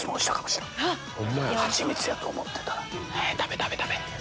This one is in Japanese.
蜂蜜やと思ってたら食べ食べ食べ。